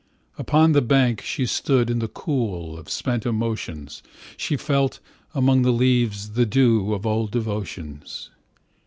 Upon the bank she stoodIn the coolOf spent emotions. She felt, among the leaves, The dewOf old devotions.